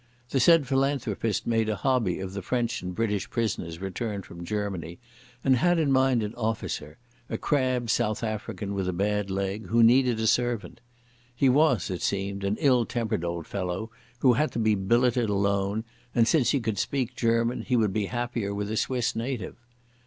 The said philanthropist made a hobby of the French and British prisoners returned from Germany, and had in mind an officer, a crabbed South African with a bad leg, who needed a servant. He was, it seemed, an ill tempered old fellow who had to be billeted alone, and since he could speak German, he would be happier with a Swiss native.